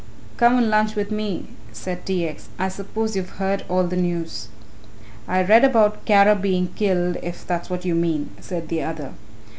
"Come and lunch with me," said T. X. "I suppose you've heard all the news." "I read about Kara being killed, if that's what you mean," said the other.